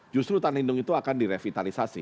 justru hutan lindung itu akan direvitalisasi